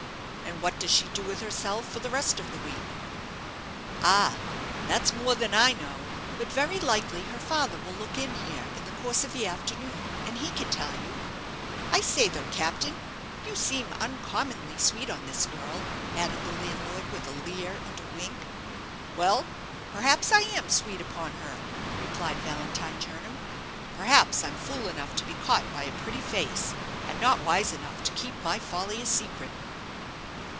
"And what does she do with herself for the rest of the week?" "Ah! that's more than I know; but very likely her father will look in here in the course of the afternoon, and he can tell you. I say, though, captain, you seem uncommonly sweet on this girl," added the landlord, with a leer and a wink. "Well, perhaps I am sweet upon her," replied Valentine Jernam "perhaps I'm fool enough to be caught by a pretty face, and not wise enough to keep my folly a secret."